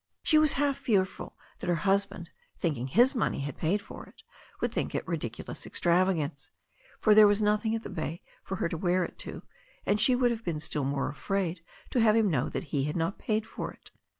She was half fearful that her hus band, thinking his money had paid for it, would think it ridiculous extravagance, for there was nothing at the bay for her to wear it to, and she would have been still more afraid to have him know that he had not paid for it.